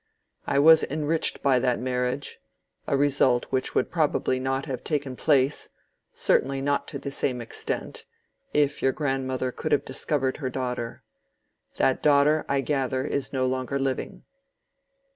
I was enriched by that marriage—a result which would probably not have taken place—certainly not to the same extent—if your grandmother could have discovered her daughter. That daughter, I gather, is no longer living!"